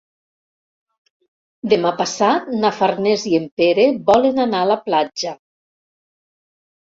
Demà passat na Farners i en Pere volen anar a la platja.